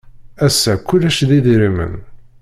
Ass-a kullec d idrimen.